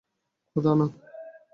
খোদা, না!